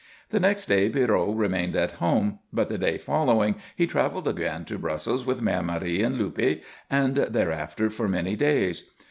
The next day Pierrot remained at home, but the day following he travelled again to Brussels with Mère Marie and Luppe, and thereafter for many days.